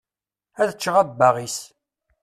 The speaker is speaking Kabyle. Ad ččeɣ abbaɣ-is.